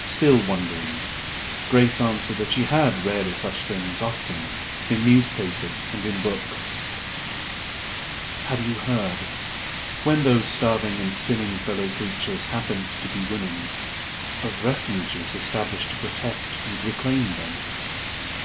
Still wondering, Grace answered that she had read of such things often, in newspapers and in books. "Have you heard when those starving and sinning fellow creatures happened to be women of Refuges established to protect and reclaim them?"